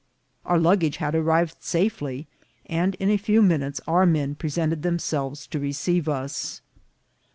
Our luggage had arrived safely, and in a few minutes our men presented themselves to receive us.